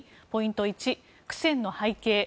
ポイント１、苦戦の背景